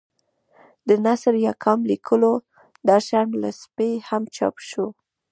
د نثر یا کالم لیکلو دا شرم له سپي هم چاپ شو.